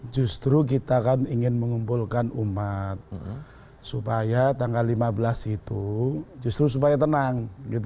justru kita kan ingin mengumpulkan umat supaya tanggal lima belas itu justru supaya tenang